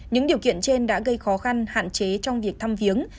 những điều kiện trên đã gây khó khăn hạn chế trong việc thăm viếng